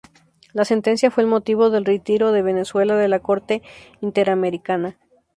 La sentencia fue el motivo del retiro de Venezuela de la Corte Interamericana.